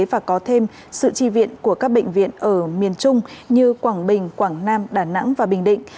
và có thêm sự tri viện của các bệnh viện ở miền trung như quảng bình quảng nam đà nẵng và bình định